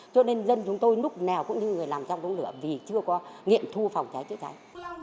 cho nên dân chúng tôi lúc nào cũng như người làm trong đống lửa vì chưa có nghiệm thu phòng cháy chữa cháy